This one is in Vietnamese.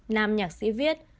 nam nhạc sĩ viết